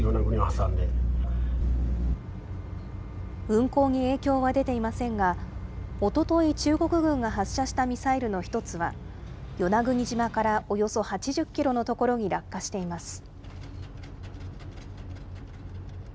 運航に影響は出ていませんが、おととい、中国軍が発射したミサイルの１つは、与那国島からおよそ８０キロの所に落下しています。